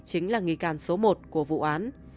chính là nghi can số một của vụ án